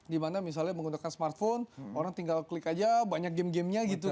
di mana misalnya menggunakan smartphone orang tinggal klik aja banyak game gamenya gitu kan